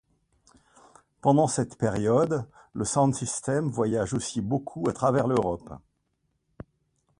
Pendant cette période, le sound system voyage aussi beaucoup à travers l'Europe.